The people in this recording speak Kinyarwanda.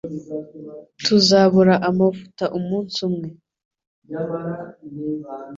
Tuzabura amavuta umunsi umwe